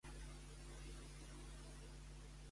Va poder lluitar per la causa també des de les institucions?